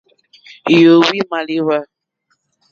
Yǒhwì màlíwá.